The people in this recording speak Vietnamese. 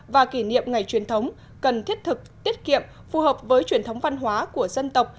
và kỷ niệm ngày truyền thống cần thiết thực tiết kiệm phù hợp với truyền thống văn hóa của dân tộc